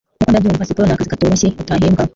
Nkuko Ndabyumva, siporo nakazi katoroshye utahembwa.